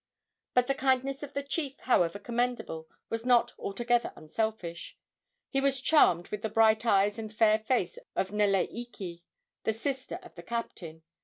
But the kindness of the chief, however commendable, was not altogether unselfish. He was charmed with the bright eyes and fair face of Neleike, the sister of the captain.